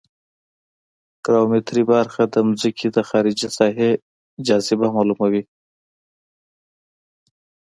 ګراومتري برخه د ځمکې د خارجي ساحې جاذبه معلوموي